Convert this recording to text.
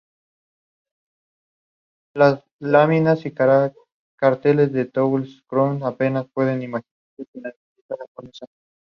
Ocupa ambientes de pastizales y sabanas.